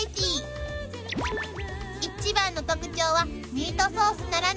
［一番の特徴はミートソースならぬ］